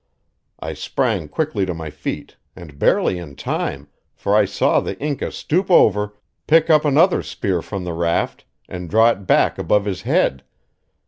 I sprang quickly to my feet, and barely in time, for I saw the Inca stoop over, pick up another spear from the raft, and draw it back above his head.